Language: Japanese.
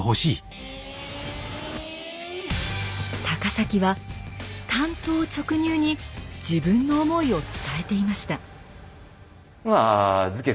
高碕は単刀直入に自分の思いを伝えていました。